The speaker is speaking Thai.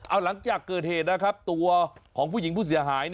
เอาหลังจากเกิดเหตุนะครับตัวของผู้หญิงผู้เสียหาย